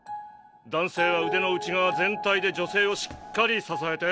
男性は腕の内側全体で女性をしっかり支えて。